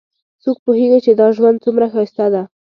څوک پوهیږي چې دا ژوند څومره ښایسته ده